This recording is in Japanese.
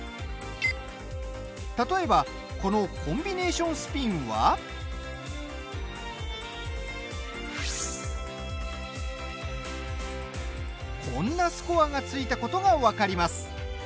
例えばこのコンビネーションスピンはこんなスコアがついたことが分かります。